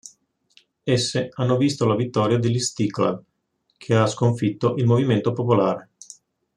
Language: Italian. Esse hanno visto la vittoria dell'Istiqlal, che ha sconfitto il Movimento Popolare.